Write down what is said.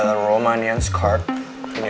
berikan aku telefonnya